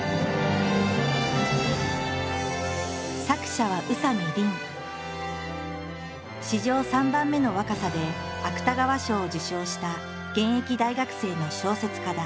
作者は史上３番目の若さで芥川賞を受賞した現役大学生の小説家だ。